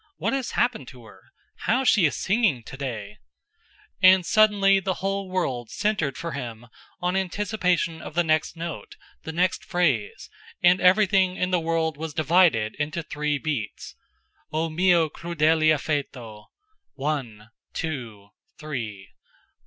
"What has happened to her? How she is singing today!" And suddenly the whole world centered for him on anticipation of the next note, the next phrase, and everything in the world was divided into three beats: "Oh mio crudele affetto."... One, two, three...